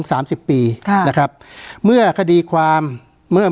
การแสดงความคิดเห็น